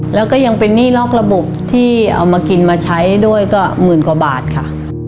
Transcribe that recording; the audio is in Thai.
แล้วก็ยังเป็นหนี้นอกระบบที่เอามากินมาใช้ด้วยก็หมื่นกว่าบาทค่ะ